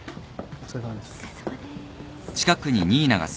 お疲れさまです。